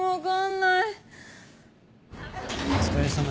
はいお疲れさま。